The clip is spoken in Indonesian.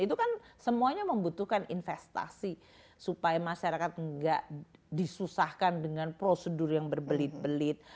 itu kan semuanya membutuhkan investasi supaya masyarakat nggak disusahkan dengan prosedur yang berbelit belit